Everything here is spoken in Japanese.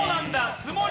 つもり。